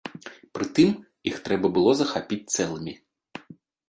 Прытым, іх трэба было захапіць цэлымі.